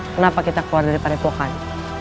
kenapa kita keluar daripada pohani